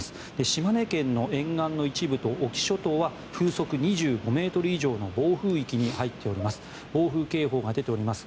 島根県の沿岸の一部と隠岐諸島は風速２５ｍ以上の暴風警報が出ています。